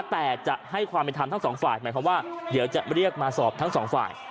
แต่จะให้ความเป็นธรรมทั้งสองฝ่ายหมายความว่าเดี๋ยวจะเรียกมาสอบทั้งสองฝ่าย